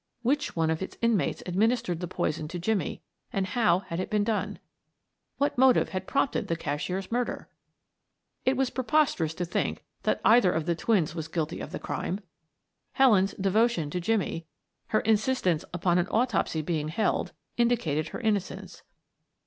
Which one of its inmates administered the poison to Jimmie and how had it been done? What motive had prompted the cashier's murder? It was preposterous to think that either of the twins was guilty of the crime. Helen's devotion to Jimmie, her insistence upon an autopsy being held indicated her innocence.